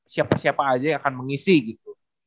siapa siapa aja yang akan mengisi gitu